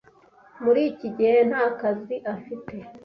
Muri iki gihe nta kazi afite.